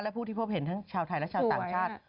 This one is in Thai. และผู้ที่พบเห็นทั้งชาวไทยและชาวต่างชาติ